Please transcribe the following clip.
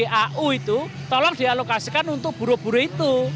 untuk u itu tolong dialokasikan untuk buruh buruh itu